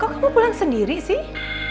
oh kamu pulang sendiri sih